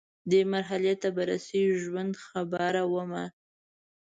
دې مرحلې ته به رسیږي ژوند، خبره ومه